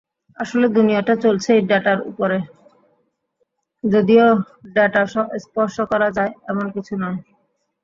আসলে দুনিয়াটা চলছেই ডেটার উপরে, যদিও ডেটা স্পর্শ করা যায় এমন কিছু নয়।